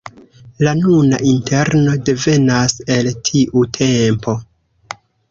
La nuna interno devenas el tiu tempo.